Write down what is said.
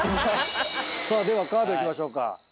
ではカードいきましょうか。